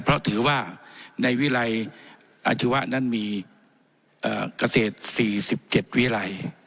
เพราะถือว่าในวิรัยอาชิวะนั้นมีเอ่อกระเศษสี่สิบเจ็ดวิรัย